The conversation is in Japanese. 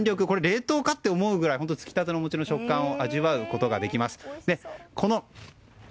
これ冷凍か？って思うぐらいつきたてのお餅の食感を味わうことができます。